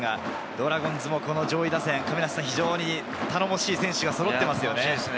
ドラゴンズの上位打線、頼もしい選手がそろっていますよね。